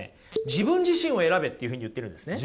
「自分自身を選べ」というふうに言ってるんですね。